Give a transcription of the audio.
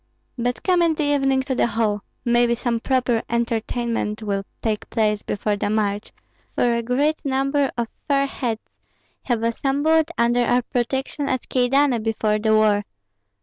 But come in the evening to the hall; maybe some proper entertainment will take place before the march, for a great number of fair heads have assembled under our protection at Kyedani before the war.